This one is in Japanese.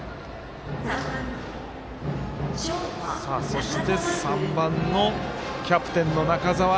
そして３番のキャプテンの中澤。